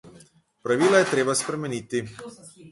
Pravila je treba spremeniti.